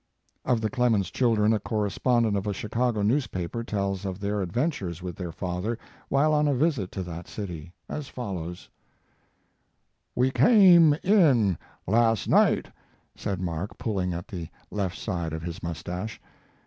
Of the Clemens children, a correspond ent of a Chicago newspaper, tells of their adventures with their father, while on a visit to that city, as follows; His Life and Work. 183 " We came in last night," said Mark, pulling at the left side of his mustache.